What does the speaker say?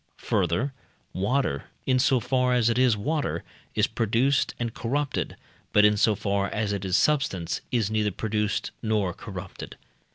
Further, water, in so far as it is water, is produced and corrupted; but, in so far as it is substance, it is neither produced nor corrupted.